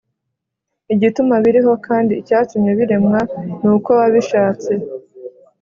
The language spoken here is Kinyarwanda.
Igituma biriho kandi icyatumye biremwa ni uko wabishatse.